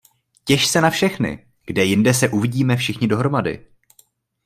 Těš se na všechny, kde jinde se uvidíme všichni dohromady?